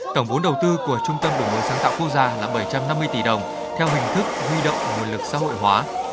tổng vốn đầu tư của trung tâm đổi mới sáng tạo quốc gia là bảy trăm năm mươi tỷ đồng theo hình thức huy động nguồn lực xã hội hóa